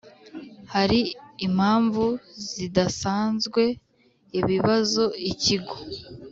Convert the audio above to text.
Hari impamvu zidasanzwe ibibazo ikigo